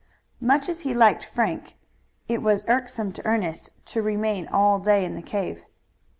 Much as he liked Frank, it was irksome to Ernest to remain all day in the cave.